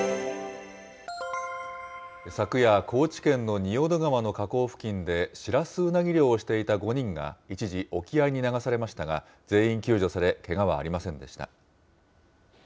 昨夜、高知県の仁淀川の河口付近でシラスウナギ漁をしていた５人が、一時、沖合に流されましたが、全員救助され、けがはありませんでした。